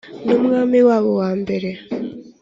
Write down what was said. n'umwami wabo wa mbere